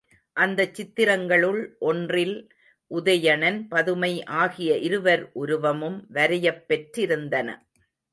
அந்தச் சித்திரங்களுள் ஒன்றில் உதயணன் பதுமை ஆகிய இருவர் உருவமும் வரையப் பெற்றிருந்தன.